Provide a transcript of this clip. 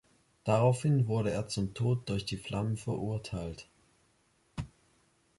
Daraufhin wurde er zum Tod durch die Flammen verurteilt.